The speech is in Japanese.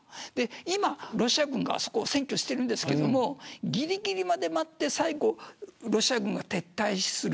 今、ロシア軍がそこを占拠していますがぎりぎりまで待ってロシア軍が撤退する。